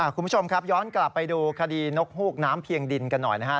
คุณผู้ชมครับย้อนกลับไปดูคดีนกฮูกน้ำเพียงดินกันหน่อยนะฮะ